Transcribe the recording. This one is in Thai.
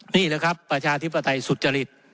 นี่เดี๋ยวครับประชาชนิตปไทยสุจริต